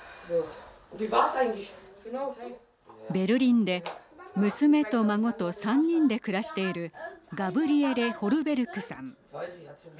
ベルリンで娘と孫と３人で暮らしているガブリエレ・ホルベルクさん。